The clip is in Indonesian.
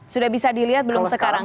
sudah bisa dilihat belum sekarang